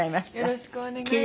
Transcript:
よろしくお願いします。